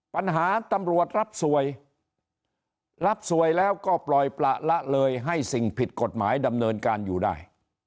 ปัญหาตำรวจรับสวยรับสวยแล้วก็ปล่อยประละเลยให้สิ่งผิดกฎหมายดำเนินการอยู่ได้